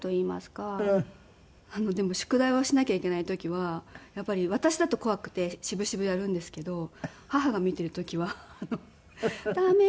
でも宿題をしなきゃいけない時はやっぱり私だと怖くてしぶしぶやるんですけど母が見ている時は「駄目よ。